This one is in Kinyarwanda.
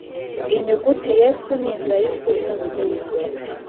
inyugutiYesu ni inzira y,ukuri n,ubugingo.